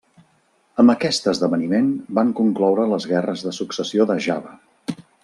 Amb aquest esdeveniment van concloure les guerres de successió de Java.